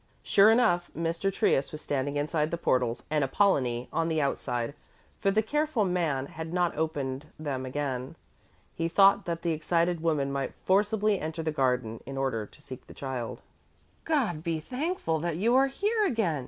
Sure enough, Mr. Trius was standing inside the portals and Apollonie on the outside, for the careful man had not opened them again. He thought that the excited woman might forcibly enter the garden in order to seek the child. "God be thanked that you are here again!"